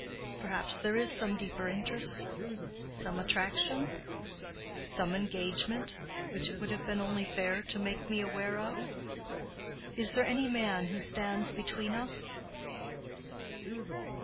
"Perhaps there is some deeper interest? Some attraction—some engagement—which it would have been only fair to make me aware of? Is there any man who stands between us?"